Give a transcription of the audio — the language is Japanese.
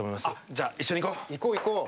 じゃあ、一緒に行こう。